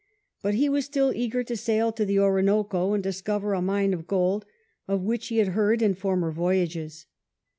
But he was still eager to sail to the Orinoco and discover a mine of gold of which he had heard in former voyages.